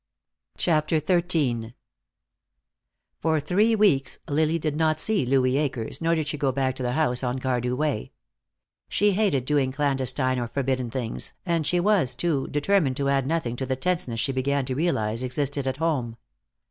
CHAPTER XIII For three weeks Lily did not see Louis Akers, nor did she go back to the house on Cardew Way. She hated doing clandestine or forbidden things, and she was, too, determined to add nothing to the tenseness she began to realize existed at home.